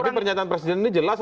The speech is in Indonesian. tapi pernyataan presiden ini jelas